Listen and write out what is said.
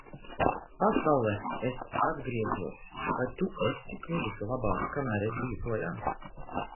Pasaule, es atgriežos. Vai tu esi kļuvusi labāka, kamēr es biju projām?